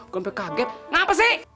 gue sampe kaget ngapasih